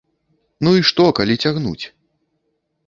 Ну і што, калі цягнуць?